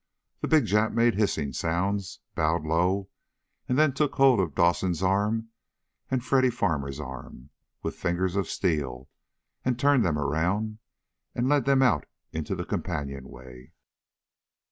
The big Jap made hissing sounds, bowed low, and then took hold of Dawson's arm and Freddy Farmer's arm with fingers of steel, and turned them around and led them out into the companionway.